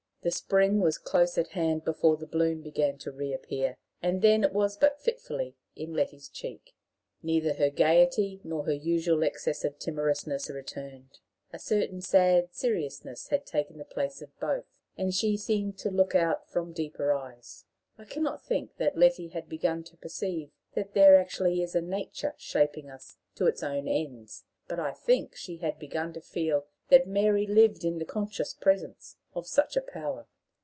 The spring was close at hand before the bloom began to reappear and then it was but fitfully in Letty's cheek. Neither her gayety nor her usual excess of timorousness returned. A certain sad seriousness had taken the place of both, and she seemed to look out from deeper eyes. I can not think that Letty had begun to perceive that there actually is a Nature shaping us to its own ends; but I think she had begun to feel that Mary lived in the conscious presence of such a power.